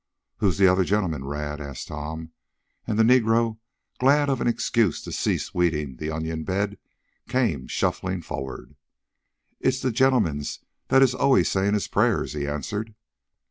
"Who's the other gentleman, Rad?" asked Tom, and the negro, glad of an excuse to cease the weeding of the onion bed, came shuffling forward. "It's de gen'mans what is allers saying his prayers," he answered.